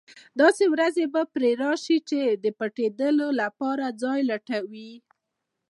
داسې ورځې به پرې راشي چې د پټېدلو لپاره ځای لټوي.